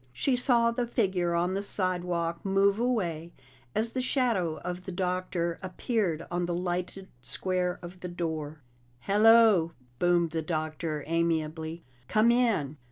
She saw the figure on the sidewalk move away as the shadow of the Doctor appeared on the lighted square of the door. "Hello," boomed the Doctor amiably. "Come in."